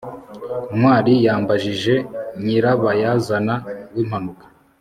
ntwali yambajije nyirabayazana w'impanuka